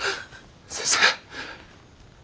先生。